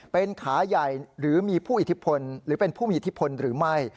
เป็นขาใหญ่หรือมีผู้อิทธิพลหรือเป็นผู้มีอิทธิพลหรือไม่